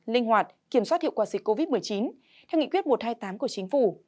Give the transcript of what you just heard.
linh hoạt kiểm soát hiệu quả dịch covid một mươi chín theo nghị quyết một trăm hai mươi tám của chính phủ